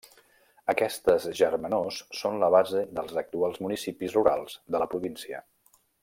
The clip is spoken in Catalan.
Aquestes germanors són la base dels actuals municipis rurals de la província.